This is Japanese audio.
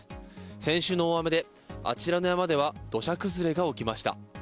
先週の大雨で、あちらの山では土砂崩れが起きました。